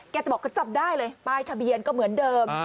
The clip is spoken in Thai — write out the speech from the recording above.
แกจะบอกก็จับได้เลยป้ายทะเบียนก็เหมือนเดิม